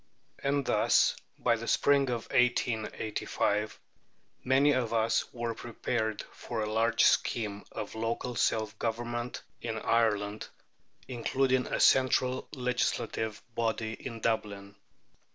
And thus, by the spring of 1885, many of us were prepared for a large scheme of local self government in Ireland, including a central legislative body in Dublin.